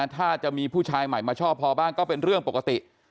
ถ้าจะมีผู้ชายใหม่มาชอบพอบ้างก็เป็นเรื่องปกติ